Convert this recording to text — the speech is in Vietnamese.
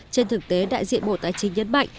trên thực tế đại diện bộ tài chính nhất bệnh